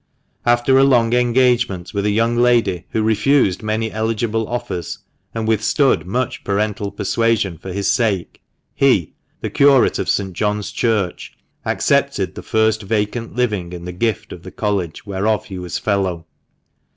After a long engagement with a young lady who refused many eligible offers, and withstood much parental persuasion for his sake, he — the curate of St. John's Church — accepted the first vacant living in the gift of the College whereof he was Fellow.